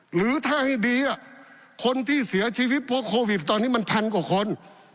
หรือถ้าให้ดีคนที่เสียชีวิตเพราะโควิดตอนนี้มันพันกว่าคน